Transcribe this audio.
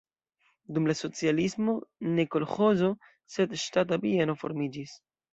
Dum la socialismo ne kolĥozo, sed ŝtata bieno formiĝis.